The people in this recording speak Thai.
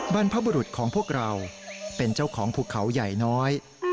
บรรพบุรุษของพวกเราเป็นเจ้าของภูเขาใหญ่น้อย